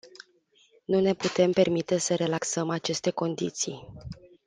Nu ne putem permite să relaxăm aceste condiții.